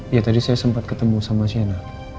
ya tadi saya sempat ketemu sama siana